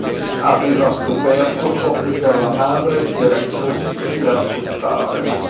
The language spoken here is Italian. Aveva scoperto ciò che per la madre era impossibile accettare.